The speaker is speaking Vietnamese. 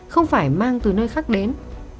không phải mang từ nơi khác đến